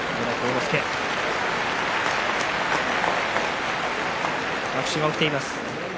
助拍手が起きています。